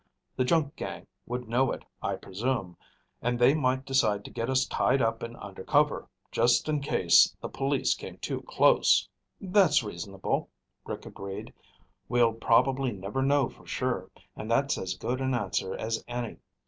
The junk gang would know it, I presume, and they might decide to get us tied up and under cover, just in case the police came too close." "That's reasonable," Rick agreed. "We'll probably never know for sure, and that's as good an answer as any.